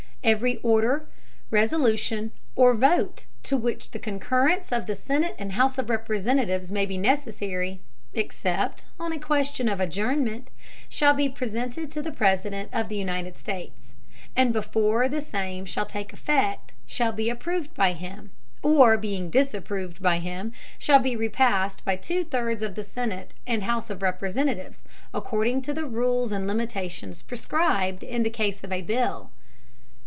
Every Order, Resolution, or Vote to which the Concurrence of the Senate and House of Representatives may be necessary (except on a question of Adjournment) shall be presented to the President of the United States; and before the Same shall take Effect, shall be approved by him, or being disapproved by him, shall be repassed by two thirds of the Senate and House of Representatives, according to the Rules and Limitations prescribed in the Case of a Bill.